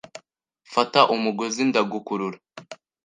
Fata umugozi, ndagukurura